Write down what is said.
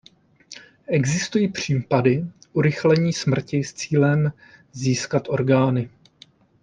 Existují případy urychlení smrti s cílem získat orgány.